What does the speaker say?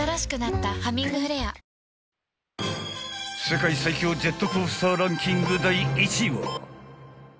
［世界最強ジェットコースターランキング］